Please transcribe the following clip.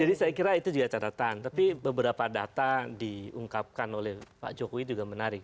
jadi saya kira itu juga catatan tapi beberapa data diungkapkan oleh pak jokowi juga menarik